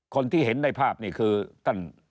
คนที่เห็นในภาพนี่คือท่าน